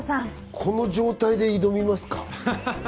この状態で挑みますか？